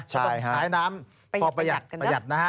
ใช่ใช่ใช้น้ำพอประหยัดนะฮะ